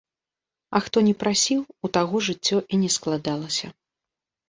А хто не прасіў, у таго жыццё і не складалася.